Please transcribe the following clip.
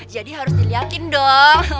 jadi harus diliakin dong